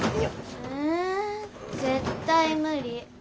え絶対無理。